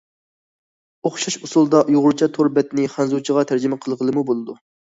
ئوخشاش ئۇسۇلدا ئۇيغۇرچە تور بەتنى خەنزۇچىغا تەرجىمە قىلغىلىمۇ بولىدۇ.